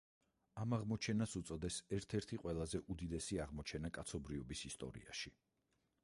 ამ აღმოჩენას უწოდეს „ერთ-ერთი ყველაზე უდიდესი აღმოჩენა კაცობრიობის ისტორიაში“.